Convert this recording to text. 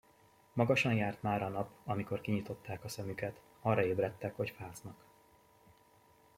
Magasan járt már a nap, amikor kinyitották a szemüket; arra ébredtek, hogy fáznak.